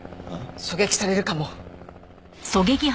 狙撃されるかも。